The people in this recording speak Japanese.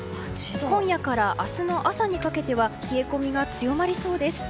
今夜から明日の朝にかけては冷え込みが強まりそうです。